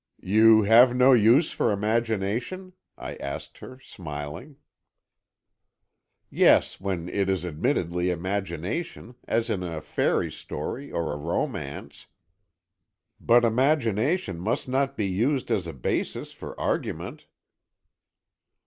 "You have no use for imagination?" I asked her, smiling. "Yes, when it is admittedly imagination, as in a fairy story or a romance. But imagination must not be used as a basis for argument."